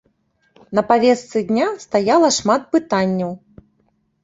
На павестцы дня стаяла шмат пытанняў.